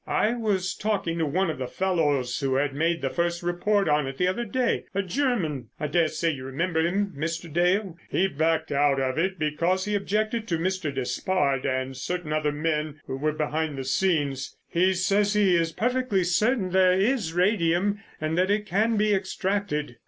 "I was talking to one of the fellows who had made the first report on it the other day, a German, I daresay you remember him, Mr. Dale. He backed out of it because he objected to Mr. Despard and certain other men who were behind the scenes. He says he is perfectly certain there is radium and that it can be extracted.